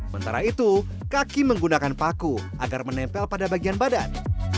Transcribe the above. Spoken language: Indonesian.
mentara itu kaki menggunakan paku agar menempel pada bagian badan